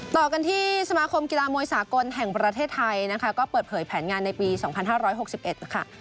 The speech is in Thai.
ต่อกันที่สมาคมกีฬามวยสากลแห่งประเทศไทยนะครับก็เปิดเผยแผนงานในปีสองพันห้าร้อยหกสิบเอ็ดค่ะ